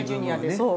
そう。